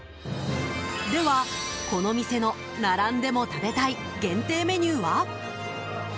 では、この店の並んでも食べたい限定メニューは？